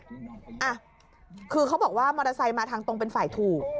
อ่ะคือเขาบอกว่ามอเตอร์ไซค์มาทางตรงเป็นฝ่ายถูก